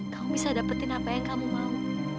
kamu bisa dapetin apa yang kamu mau